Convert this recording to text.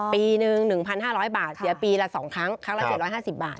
ปีหนึ่ง๑๕๐๐บาทเสียปีละ๒ครั้งครั้งละ๗๕๐บาท